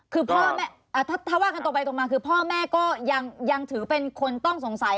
คือพ่อแม่ถ้าว่ากันตรงไปตรงมาคือพ่อแม่ก็ยังถือเป็นคนต้องสงสัย